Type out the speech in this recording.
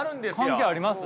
関係あります？